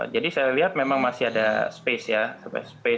jadi saya lihat memang masih ada ruang ya